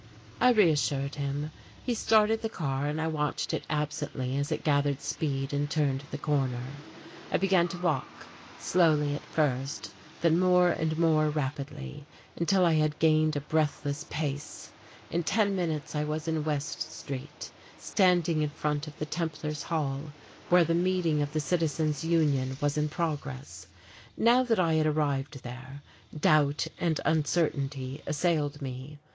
I reassured him. He started the car, and I watched it absently as it gathered speed and turned the corner. I began to walk, slowly at first, then more and more rapidly until I had gained a breathless pace; in ten minutes I was in West Street, standing in front of the Templar's Hall where the meeting of the Citizens Union west in progress. Now that I had arrived there, doubt and uncertainty assailed me.